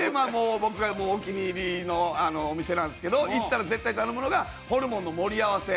僕がお気に入りのお店なんですけど、行ったら絶対頼むのがホルモンの盛り合わせ。